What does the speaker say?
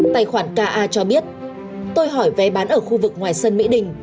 tài khoản ka cho biết tôi hỏi vé bán ở khu vực ngoài sân mỹ đình